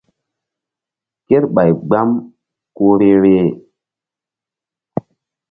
Kerɓay gbam ku vbe-vbeh.